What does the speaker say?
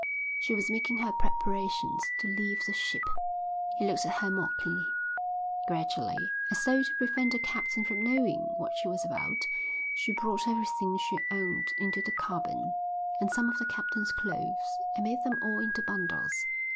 She was making her preparations to leave the ship. He looked at her mockingly. Gradually, as though to prevent the captain from knowing what she was about, she brought everything she owned into the cabin, and some of the captain's clothes, and made them all into bundles.